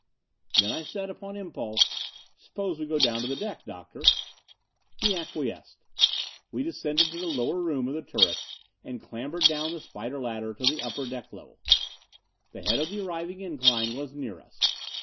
Then I said upon impulse, "Suppose we go down to the deck, Doctor?" He acquiesced. We descended to the lower room of the turret and clambered down the spider ladder to the upper deck level. The head of the arriving incline was near us.